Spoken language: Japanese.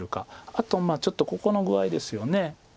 あとちょっとここの具合ですよね。